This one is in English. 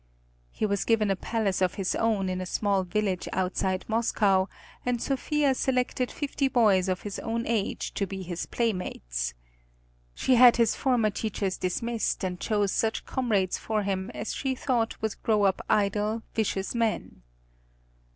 He was given a palace of his own in a small village outside Moscow, and Sophia selected fifty boys of his own age to be his playmates. She had his former teachers dismissed and chose such comrades for him as she thought would grow up idle, vicious men.